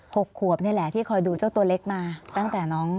หกขวบนี่แหละที่คอยดูเจ้าตัวเล็กมาตั้งแต่น้อง